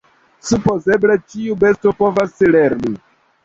Supozeble ĉiu besto povas lerni.